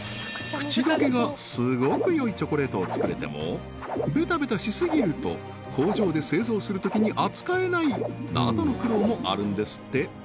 口溶けがすごく良いチョコレートをつくれてもベタベタしすぎると工場で製造するときに扱えないなどの苦労もあるんですって